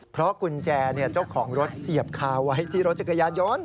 เพราะกุญแจเจ้าของรถเสียบคาไว้ที่รถจักรยานยนต์